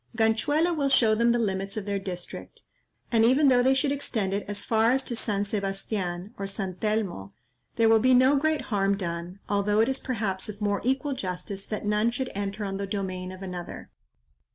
Ganchuelo will show them the limits of their district, and even though they should extend it as far as to San Sebastian, or Santelmo, there will be no great harm done, although it is perhaps of more equal justice that none should enter on the domain of another."